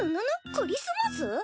クリスマス！？